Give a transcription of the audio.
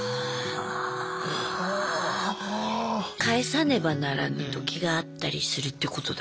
帰さねばならぬときがあったりするってことだ。